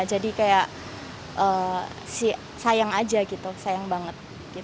jadi kayak sayang aja gitu sayang banget